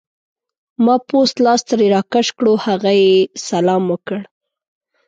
ما پوست لاس ترې راکش کړو، هغه یې سلام وکړ.